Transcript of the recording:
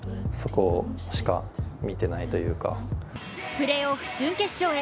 プレーオフ準決勝へ。